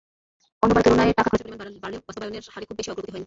অন্যবারের তুলনায় টাকা খরচের পরিমাণ বাড়লেও বাস্তবায়নের হারে খুব বেশি অগ্রগতি হয়নি।